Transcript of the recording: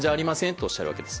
とおっしゃるわけです。